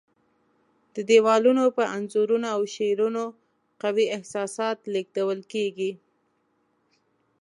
د دیوالونو پر انځورونو او شعرونو قوي احساسات لېږدول کېږي.